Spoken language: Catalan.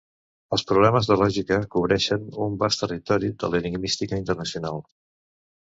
Els problemes de lògica cobreixen un vast territori de l'enigmística internacional.